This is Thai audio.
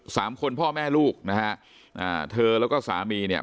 สามคนพ่อแม่ลูกนะฮะอ่าเธอแล้วก็สามีเนี่ย